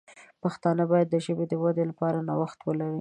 پښتانه باید د ژبې د ودې لپاره نوښت ولري.